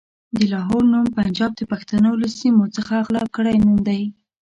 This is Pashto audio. د لاهور نوم پنجاب د پښتنو له سيمو څخه غلا کړی نوم دی.